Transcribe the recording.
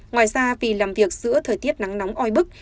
ngoài ra vì làm việc giữa thời tiết nắng nóng oi bức